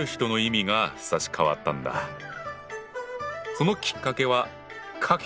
そのきっかけは「科挙」。